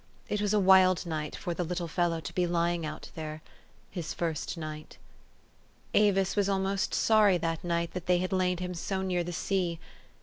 It was a wild night for the little fellow to be lying out there his first night. Avis was almost sorry that night that they had laid him so near the sea ; for .